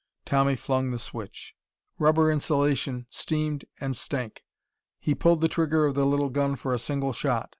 Tommy flung the switch. Rubber insulation steamed and stank. He pulled the trigger of the little gun for a single shot.